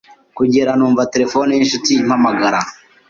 kugera numva telephone y’inshuti impamagara